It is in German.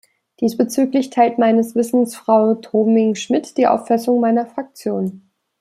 Diesbezüglich teilt meines Wissens Frau Thoming-Schmidt die Auffassung meiner Fraktion.